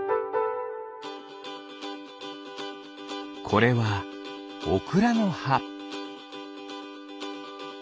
これはオクラのは。